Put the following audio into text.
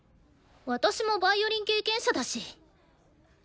私もヴァイオリン経験者だし。